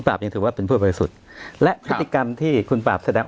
ยังถือว่าเป็นผู้บริสุทธิ์และพฤติกรรมที่คุณปราบแสดง